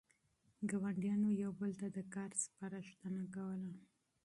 ګاونډیانو یو بل ته د کار سپارښتنه کوله.